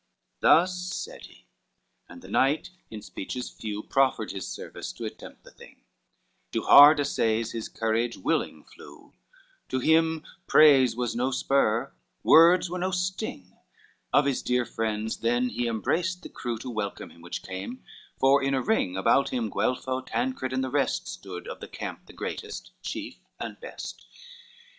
IV Thus said he, and the knight in speeches few Proffered his service to attempt the thing, To hard assays his courage willing flew, To him praise was no spur, words were no sting; Of his dear friends then he embraced the crew To welcome him which came; for in a ring About him Guelpho, Tancred and the rest Stood, of the camp the greatest, chief and best.